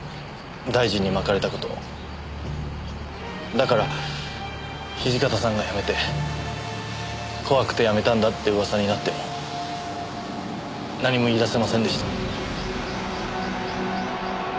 だから土方さんが辞めて怖くて辞めたんだって噂になっても何も言い出せませんでした。